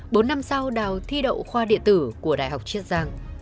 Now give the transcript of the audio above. bốn năm sau đào thi đậu khoa địa tử của đại học chiết giang